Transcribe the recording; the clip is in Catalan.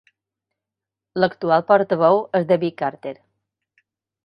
L'actual portaveu és David Carter.